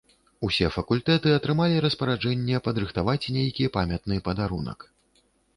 Усе факультэты атрымалі распараджэнне падрыхтаваць нейкі памятны падарунак.